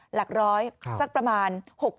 หลักร้อยสักประมาณ๖๐๐